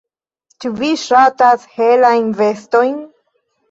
Ĉu vi ŝatas helajn vestojn?